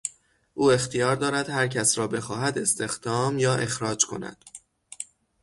او اختیار دارد هرکس را بخواهد استخدام یا اخراج کند.